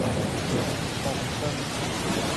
紅妝